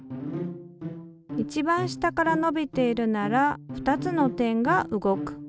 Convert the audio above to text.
一番下から伸びているなら２つの点が動く。